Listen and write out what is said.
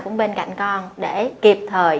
cũng bên cạnh con để kịp thời